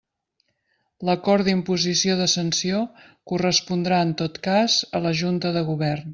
L'acord d'imposició de sanció correspondrà, en tot cas, a la Junta de Govern.